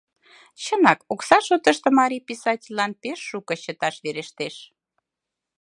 Чынак, окса шотышто марий писательлан пеш шуко чыташ верештеш.